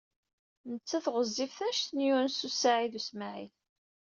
Nettat ɣezzifet anect n Yunes u Saɛid u Smaɛil.